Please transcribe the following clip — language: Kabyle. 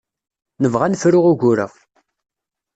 Nebɣa ad nefru ugur-a.